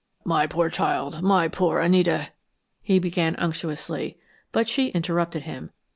"My poor child, my poor Anita!" he began unctuously, but she interrupted him.